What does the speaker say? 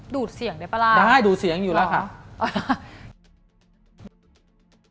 เสียงได้ป่ะล่ะได้ดูดเสียงอยู่แล้วค่ะ